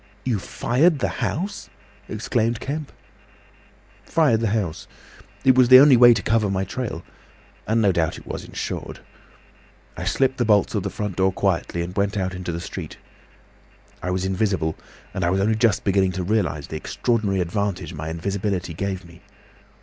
"You fired the house!" exclaimed Kemp. "Fired the house. It was the only way to cover my trail—and no doubt it was insured. I slipped the bolts of the front door quietly and went out into the street. I was invisible, and I was only just beginning to realise the extraordinary advantage my invisibility gave me.